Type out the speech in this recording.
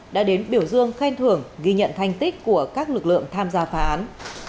đã đến biểu dương khen thưởng ghi nhận thanh tích của các lực lượng tham gia phá án